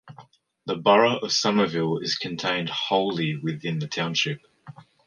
The Borough of Summerville is contained wholly within the township.